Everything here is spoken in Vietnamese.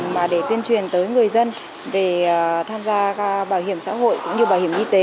mà để tuyên truyền tới người dân về tham gia bảo hiểm xã hội cũng như bảo hiểm y tế